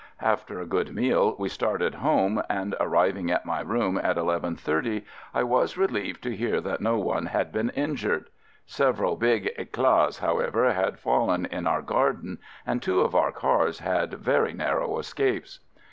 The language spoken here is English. After a good meal we started home and arriving at my room at eleven thirty I was relieved to hear that no one had been injured. Several big eclats, however, had fallen in our garden and two of our cars had very narrow escapes.